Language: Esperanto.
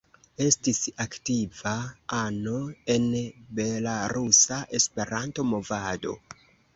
Estis aktiva ano en belarusa Esperanto-movado.